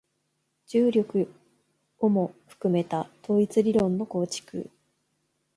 重力をも含めた統一理論の構築